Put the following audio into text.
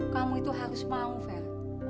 kamu itu harus mau fair